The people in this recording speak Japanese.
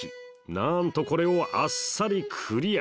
なんとこれをあっさりクリア